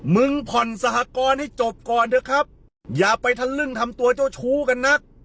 มึงผ่อนสหกรณ์ให้จบก่อนเถอะครับอย่าไปทะลึ่งทำตัวเจ้าชู้กันนัก